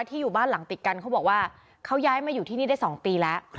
อยู่บ้านหลังติดกันเขาบอกว่าเขาย้ายมาอยู่ที่นี่ได้๒ปีแล้ว